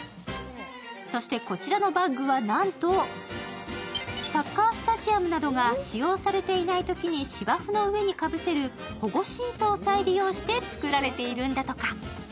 そしてこちらのバッグはなんと、サッカースタジアムなどが使用されていないときに芝生の上にかぶせる保護シートを再利用して作られているんだとか。